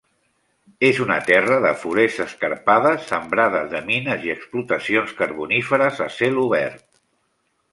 És una terra de forests escarpades sembrades de mines i explotacions carboníferes a cel obert.